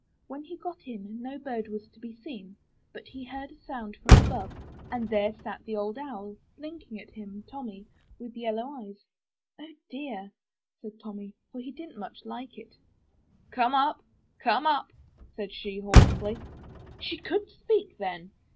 When he got in, no bird was to be seen, but he heard a sound from above, and there sat Old Owl, blinking at him — Tommy — with yellow eyes. '*0h, dear!" said Tommy, for he didn*t much like it. '*Come up, come up!*' said she hoarsely. She could speak then!